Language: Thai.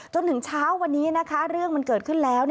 จนถึงเช้าวันนี้นะคะเรื่องมันเกิดขึ้นแล้ว